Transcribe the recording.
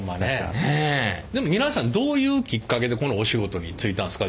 でも皆さんどういうきっかけでこのお仕事に就いたんですか？